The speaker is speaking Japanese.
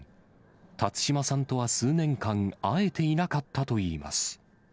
辰島さんとは数年間、会えていなかったといいます。